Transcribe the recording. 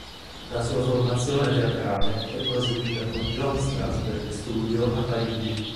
La sua formazione teatrale è proseguita con John Strasberg Studio a Parigi.